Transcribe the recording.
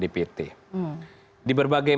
dpt di berbagai